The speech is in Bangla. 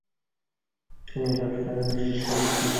তিনি সবসময়ই বিশেষ সতর্ক ছিলেন।